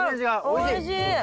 おいしい！